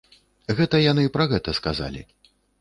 Гэта яны пра гэта сказалі.